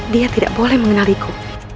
dia tidak boleh mengenaliku